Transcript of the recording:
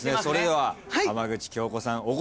それでは浜口京子さん